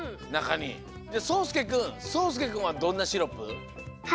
じゃあそうすけくんそうすけくんはどんなシロップ？